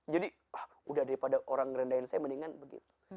jadi udah daripada orang rendahin saya mendingan begitu